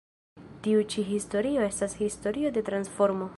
Tiu ĉi historio estas historio de transformo".